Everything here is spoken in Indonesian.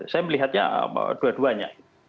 saya melihatnya dua duanya